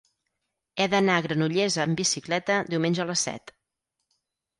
He d'anar a Granollers amb bicicleta diumenge a les set.